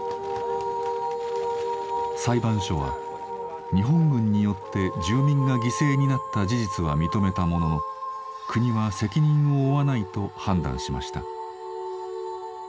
裁判所は日本軍によって住民が犠牲になった事実は認めたものの国は責任を負わないと判断しました。